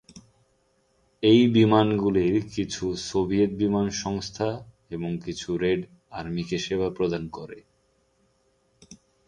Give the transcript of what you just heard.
এই বিমানগুলির কিছু সোভিয়েত বিমান সংস্থা এবং কিছু রেড আর্মিকে সেবা প্রদান করে।